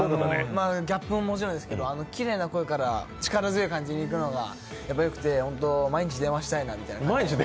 ギャップももちろんですけどきれいな声から力強い感じにいくのがよくて毎日電話したいなみたいな。